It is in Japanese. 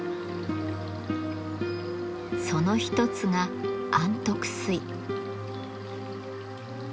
その一つが安徳水。